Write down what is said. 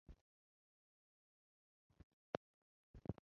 雷兽是奇蹄目下一科已灭绝的哺乳动物。